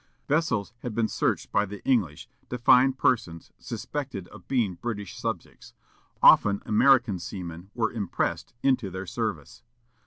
Vessels had been searched by the English, to find persons suspected of being British subjects; often American seamen were impressed into their service.